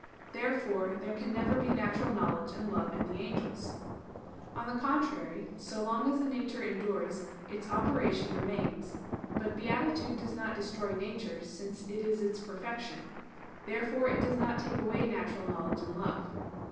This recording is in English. Therefore there can never be natural knowledge and love in the angels. On the contrary, So long as a nature endures, its operation remains. But beatitude does not destroy nature, since it is its perfection. Therefore it does not take away natural knowledge and love.